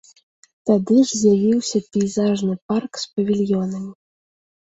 Тады ж з'явіўся пейзажны парк з павільёнамі.